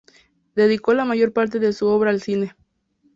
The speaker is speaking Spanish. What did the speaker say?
Dedicó la mayor parte de su obra al cine.